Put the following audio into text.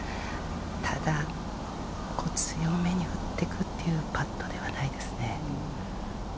ただ、強めに打ってくっていうパットではないですね。